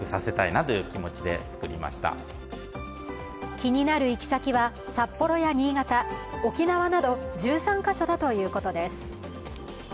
気になる行き先は、札幌や新潟、沖縄など１３カ所だということです。